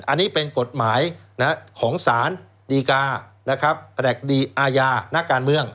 อันนี้เป็นกฎหมายของสารดีกานะครับแผนกดีอาญานักการเมือง